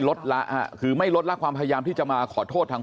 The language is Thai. คือไม่ลดละความพยายามที่จะมาขอโทษทาง